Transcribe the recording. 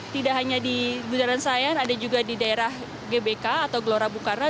tidak hanya di bundaran senayan ada juga di daerah gbk atau gelora bukarna